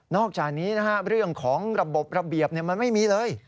อกจากนี้เรื่องของระบบระเบียบมันไม่มีเลย